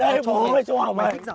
mày thích giả vờ